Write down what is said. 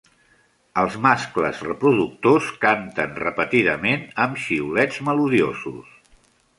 Els mascles reproductors canten repetidament amb xiulets melodiosos.